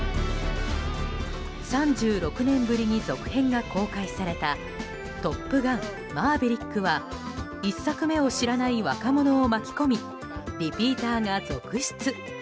３６年ぶりに続編が公開された「トップガンマーヴェリック」は１作目を知らない若者を巻き込みリピーターが続出。